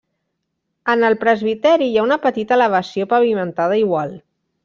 En el presbiteri hi ha una petita elevació pavimentada igual.